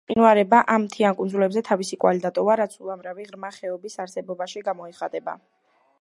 მყინვარებმა ამ მთიან კუნძულებზე თავის კვალი დატოვა, რაც უამრავი ღრმა ხეობის არსებობაში გამოიხატება.